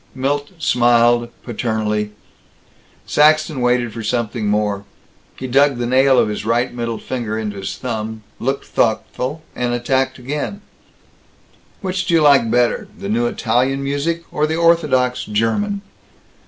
Milt smiled, paternally. Saxton waited for something more. He dug the nail of his right middle finger into his thumb, looked thoughtful, and attacked again: "Which do you like better: the new Italian music, or the orthodox German?"